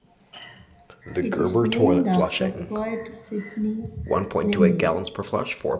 It is named after poet Sidney Lanier.